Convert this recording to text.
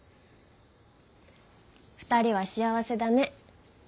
２人は幸せだね。